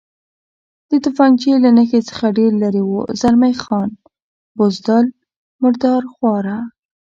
د تفنګچې له نښې څخه ډېر لرې و، زلمی خان: بزدل، مرادرخواره.